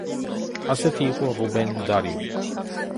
ასეთი იყო რუბენ დარიო.